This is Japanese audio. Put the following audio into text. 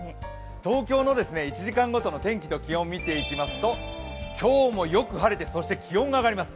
東京の１時間ごとの天気と気温を見ていきますと今日もよく晴れて、そして気温が上がります。